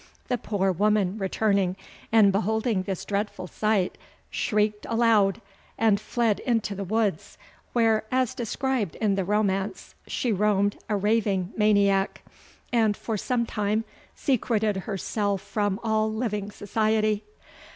The poor woman returning, and beholding this dreadful sight, shrieked aloud, and fled into the woods, where, as described in the romance, she roamed a raving maniac, and for some time secreted herself from all living society.